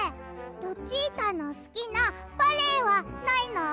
ルチータのすきなバレエはないの？